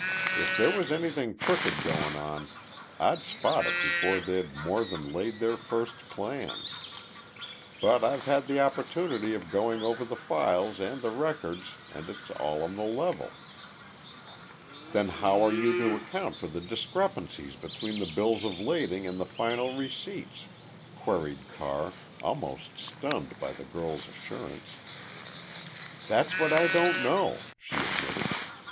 If there was anything crooked going on, I'd spot it before they'd more than laid their first plans. But I've had the opportunity of going over the files and the records and it's all on the level." "Then how are you to account for the discrepancies between the bills of lading and the final receipts?" queried Carr, almost stunned by the girl's assurance. "That's what I don't know," she admitted.